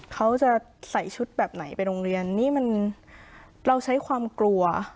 เขาจะใส่ชุดแบบไหนไปโรงเรียนนี่มันเราใช้ความกลัว